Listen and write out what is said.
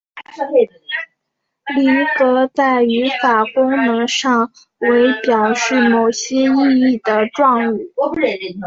离格在语法功能上为表示某些意义的状语。